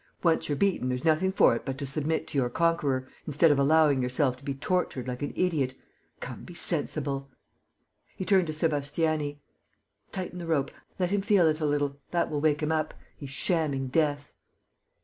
Once you're beaten, there's nothing for it but to submit to your conqueror, instead of allowing yourself to be tortured like an idiot.... Come, be sensible." He turned to Sébastiani: "Tighten the rope ... let him feel it a little that will wake him up.... He's shamming death...."